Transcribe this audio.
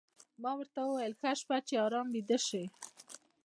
ما ورته وویل: ښه شپه، چې ارام ویده شې.